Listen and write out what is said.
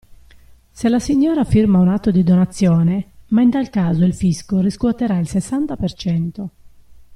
Se la signora firma un atto di donazione, ma in tal caso il fisco riscuoterà il sessanta per cento.